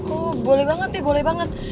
oh boleh banget nih boleh banget